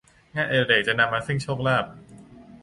งานอดิเรกจะนำมาซึ่งโชคลาภ